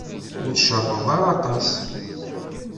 Ur cerreḍ ara aṭas.